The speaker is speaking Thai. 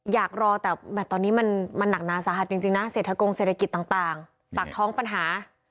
อยากรอแต่ตอนนี้มันหนักหนาสาหัสจริงนะเศรษฐกงเศรษฐกิจต่างปากท้องปัญหา